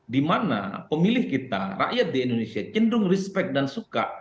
dimana pemilih kita rakyat di indonesia cenderung respect dan suka